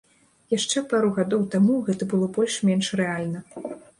Яшчэ пару гадоў таму гэта было больш-менш рэальна.